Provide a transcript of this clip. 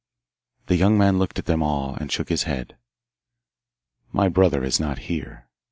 The young man looked at them all and shook his head. 'My brother is not here.